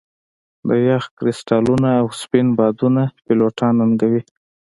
د یخ کرسټالونه او سپین بادونه پیلوټان ننګوي